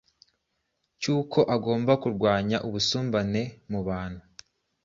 cy’uko agomba kurwanya ubusumbane mu bantu